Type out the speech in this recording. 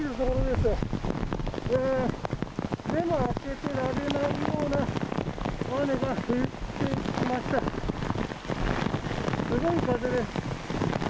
すごい風です。